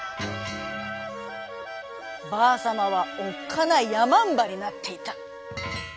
ばあさまはおっかないやまんばになっていた。